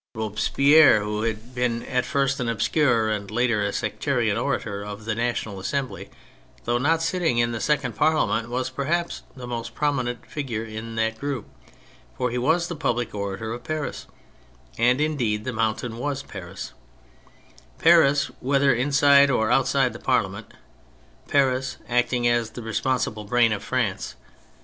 Robes THE PHASES 111 pierre, who had been first an obscure, and later a sectarian orator of the National Assembly, though not sitting in this second Parliament, was perhaps the most prominent figure in that group, for he was the public orator of Paris ; and indeed the Mountain was Paris ; Paris, whether inside or outside the Parliament; Paris acting as the responsible brain of France.